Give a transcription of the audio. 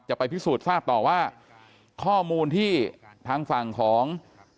ไปพิสูจน์ทราบต่อว่าข้อมูลที่ทางฝั่งของ